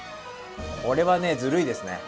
これはずるいですね。